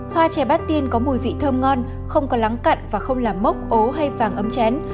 hoa trẻ bát tiên có mùi vị thơm ngon không có lắng cặn và không làm mốc ố hay vàng ấm chén